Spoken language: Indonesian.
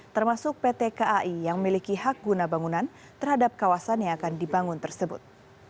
termasuk pt kai yang memiliki hak guna bangunan terhadap kawasan yang akan dibangun tersebut